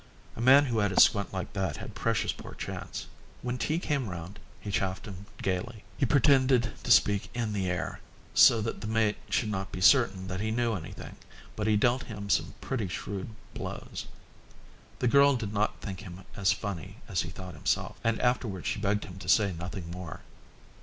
A man who had a squint like that had a precious poor chance. When tea came round he chaffed him gaily. He pretended to speak in the air, so that the mate should not be certain that he knew anything, but he dealt him some pretty shrewd blows. The girl did not think him as funny as he thought himself, and afterwards she begged him to say nothing more.